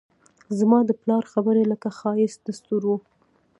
زما د پلار خبرې لکه ښایست دستورو